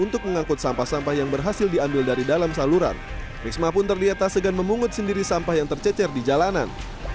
untuk mengangkut sampah sampah yang berhasil diambil dari dalam saluran risma pun terlihat tak segan memungut sendiri sampah yang tercecer di jalanan